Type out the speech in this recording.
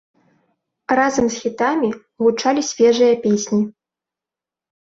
Разам з хітамі гучалі свежыя песні.